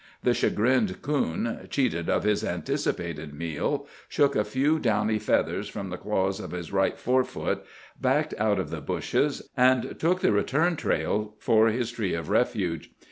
The chagrined coon, cheated of his anticipated meal, shook a few downy feathers from the claws of his right fore foot, backed out of the bushes, and took the return trail for his tree of refuge.